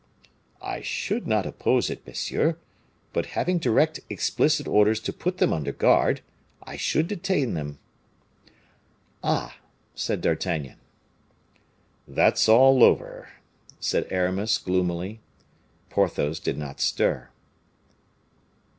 "I should not oppose it, monsieur; but having direct explicit orders to put them under guard, I should detain them." "Ah!" said D'Artagnan. "That's all over," said Aramis, gloomily. Porthos did not stir.